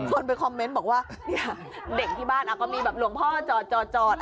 คนไปคอมเมนต์บอกว่าเนี่ยเด็กที่บ้านก็มีแบบหลวงพ่อจอดจอด